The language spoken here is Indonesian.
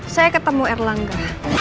saya ketemu erlangga